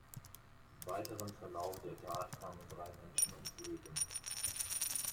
Im weiteren Verlauf der Tat kamen drei Menschen ums Leben.